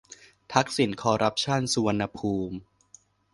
ทักษิณคอรัปชันสุวรรณภูมิ